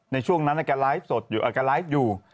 ในช่วงนั้นแกไลฟ์อยู่